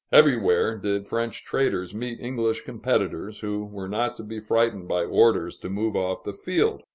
Everywhere did French traders meet English competitors, who were not to be frightened by orders to move off the field.